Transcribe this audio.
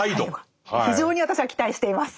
非常に私は期待しています。